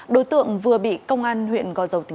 đối tượng vừa bị công an huyện